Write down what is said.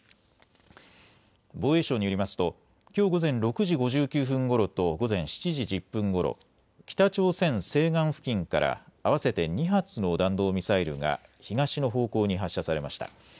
防衛省によりますときょう午前６時５９分ごろと午前７時１０分ごろ、北朝鮮西岸付近から合わせて２発の弾道ミサイルが東の方向に発射されました。